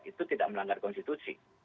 itu tidak melanggar konstitusi